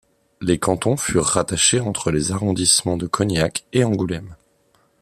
Les cantons furent rattachés entre les arrondissements de Cognac et Angoulême.